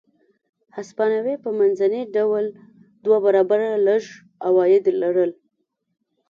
هسپانوي په منځني ډول دوه برابره لږ عواید لرل.